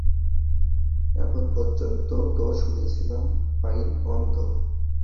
এখন পর্যন্ত তো শুনেছিলাম, আইন অন্ধ।